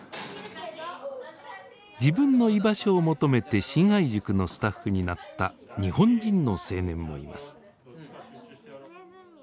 自分の居場所を求めて信愛塾のスタッフになった日本人の青年もいます。